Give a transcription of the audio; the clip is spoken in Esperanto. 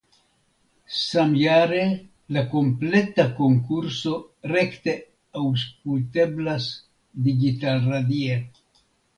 Samjare la kompleta konkurso rekte auŝkulteblas digitalradie.